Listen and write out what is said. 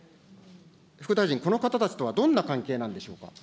副大臣、この方たちとは、どんな関係なんでしょうか。